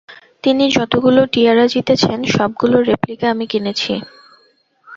তিনি যতগুলো টিয়ারা জিতেছেন সবগুলোর রেপ্লিকা আমি কিনেছি।